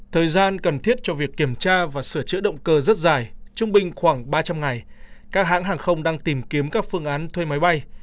thời gian cần thiết cho việc kiểm tra và sửa chữa động cơ rất dài trung bình khoảng ba trăm linh ngày các hãng hàng không đang tìm kiếm các phương án thuê máy bay